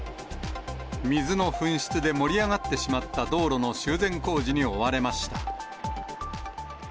水の噴出で盛り上がってしまった道路の修繕工事に追われました。